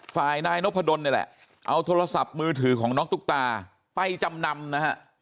ฝ่ายนายนพดลนี่แหละเอาโทรศัพท์มือถือของน้องตุ๊กตาไปจำนำนะฮะ